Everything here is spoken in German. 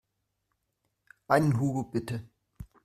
Einen Hugo bitte.